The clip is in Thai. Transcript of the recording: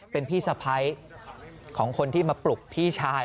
เป็นพี่สะพ้ายของคนที่มาปลุกพี่ชาย